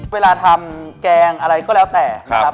เวลาทำแกงอะไรก็แล้วแต่นะครับ